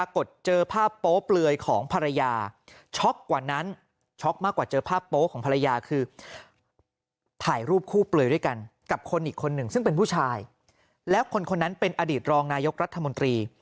กับคนอีกคนหนึ่งซึ่งเป็นผู้ชายแล้วคนนั้นเป็นอดีตรองนายกรัฐมนตรี